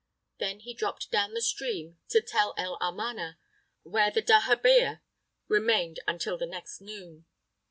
Then he dropped down the stream to Tel El Armana, where the dahabeah remained until the next noon.